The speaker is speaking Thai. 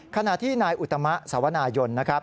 ขณะที่นายอุตมะสวนายน